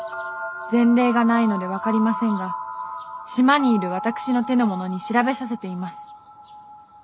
前例がないので分かりませんが島にいる私の手の者に調べさせています。